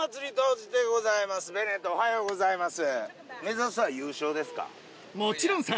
ベネットおはようございます。